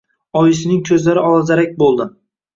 Oyisining ko‘zlari olazarak bo‘ldi